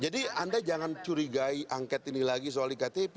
jadi anda jangan curigai angket ini lagi soal iktp